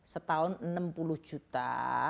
setahun enam puluh juta